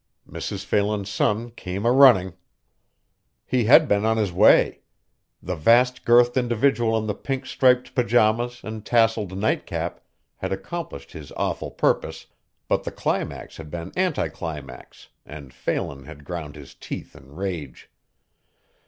Mrs. Phelan's son came a running. He had been on his way. The vast girthed individual in the pink striped pajamas and tasselled nightcap had accomplished his awful purpose, but the climax had been anti climax and Phelan had ground his teeth in rage.